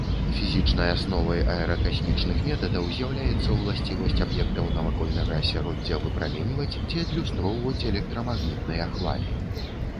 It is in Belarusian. Фізічнай асновай аэракасмічных метадаў з'яўляецца ўласцівасць аб'ектаў навакольнага асяроддзя выпраменьваць ці адлюстроўваць электрамагнітныя хвалі.